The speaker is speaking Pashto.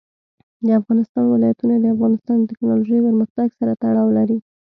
د افغانستان ولايتونه د افغانستان د تکنالوژۍ پرمختګ سره تړاو لري.